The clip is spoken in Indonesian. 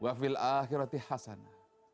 wafil akhirati hasanah